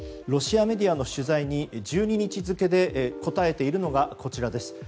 ロシアメディアの取材に１２日付で答えているのがこちらです。